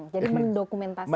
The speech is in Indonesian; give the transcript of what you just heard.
jadi mendokumentasi itu ya